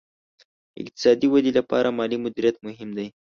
اقتصادي ودې لپاره مالي مدیریت مهم دی.